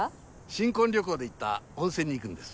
新婚旅行で行った温泉に行くんです。